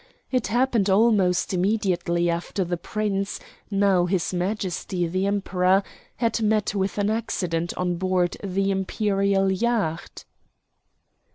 It happened almost immediately after the Prince, now his Majesty the Emperor, had met with an accident on board the Imperial yacht."